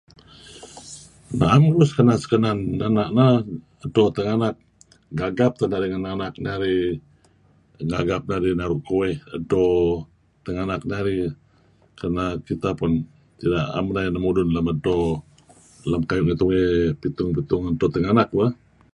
Na'em keduih kesikenan-kesikenan ena' neh, edto tinganak, gagap teh narih ngen anak narih ngagap naru' kueh edto tinganak narih kerna kita pun tidak, na'em narih neh mulun lem edto lem kayu' ngi tungey pitung-pitung edto tinganak bah.